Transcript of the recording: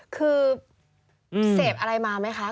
คือเสพอะไรมาไหมคะ